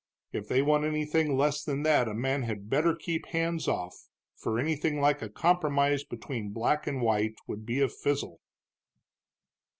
If they want anything less than that a man had better keep hands off, for anything like a compromise between black and white would be a fizzle."